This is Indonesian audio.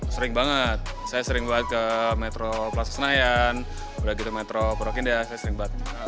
sering banget saya sering banget ke metro plaza senayan metro purwokinda saya sering banget